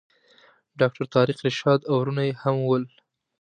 ډاکټر طارق رشاد او وروڼه یې هم ول.